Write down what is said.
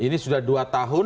ini sudah dua tahun